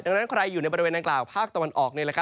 ดังนั้นใครอยู่ในบริเวณดังกล่าวภาคตะวันออก